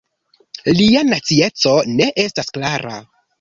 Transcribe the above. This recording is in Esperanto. Lia nacieco ne estas klara.